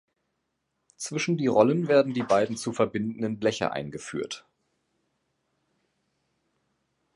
Zwischen die Rollen werden die beiden zu verbindenden Bleche eingeführt.